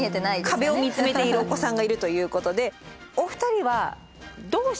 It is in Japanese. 壁を見つめているお子さんがいるということでお二人はどうしますか？